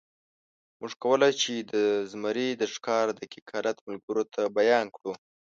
موږ کولی شو، چې د زمري د ښکار دقیق حالت ملګرو ته بیان کړو.